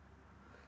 dia gak sadar